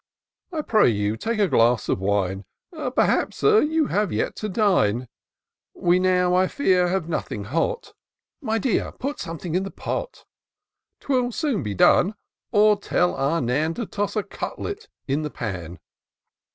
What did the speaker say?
I pray you take a glass of wine ; Perhaps, Sir, you have yet to dine : We now, I fear, have nothing hot : My dear, put sometliing in the pot ; 'Twill soon be done ; or tell our Nan To toss a cutlet in the pan.